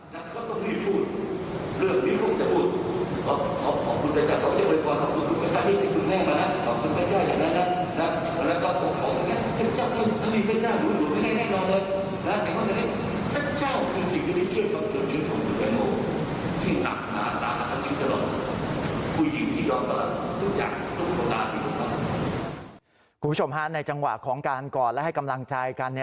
คุณผู้ชมฮะในจังหวะของการกอดและให้กำลังใจกัน